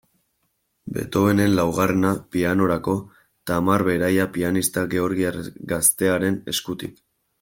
Beethovenen laugarrena, pianorako, Tamar Beraia pianista georgiar gaztearen eskutik.